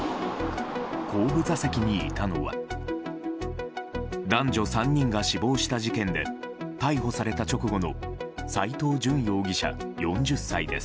後部座席にいたのは男女３人が死亡した事件で逮捕された直後の斎藤淳容疑者、４０歳です。